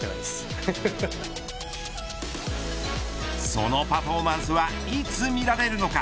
そのパフォーマンスはいつ見られるのか。